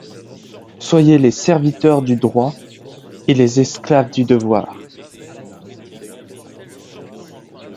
Soyez les serviteurs du droit et les esclaves du devoir.